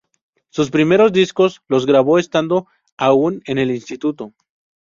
Sus primeros discos, los grabó estando aún en el instituto.